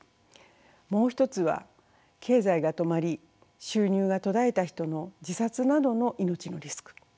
もう一つは経済が止まり収入が途絶えた人の自殺などの命のリスク。